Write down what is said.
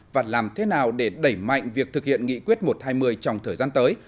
và làm thế nào để đẩy mạnh việc thực hiện nghị quyết một trăm hai mươi trong thời gian tới